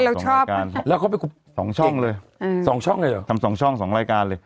สองรายการแล้วเขาไปคุมสองช่องเลยอืมสองช่องเลยเหรอทำสองช่องสองรายการเลย